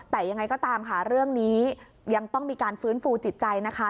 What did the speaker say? แต่ยังไงก็ตามค่ะเรื่องนี้ยังต้องมีการฟื้นฟูจิตใจนะคะ